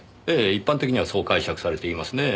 一般的にはそう解釈されていますねぇ。